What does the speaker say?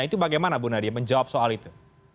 itu bagaimana bu nadia menjawab soal itu